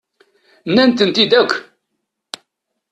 Nenna-tent-id akk.